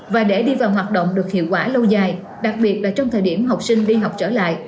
và để đi vào hoạt động được hiệu quả lâu dài đặc biệt là trong thời điểm học sinh đi học trở lại